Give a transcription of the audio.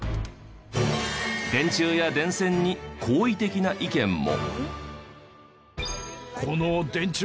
電柱や電線に好意的な意見も。